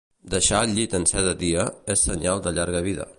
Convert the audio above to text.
Deixar el llit en ser de dia és senyal de llarga vida.